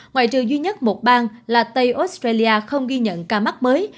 ngoại trừ duy nhất một bang là tây australia không ghi nhận ca mắc mới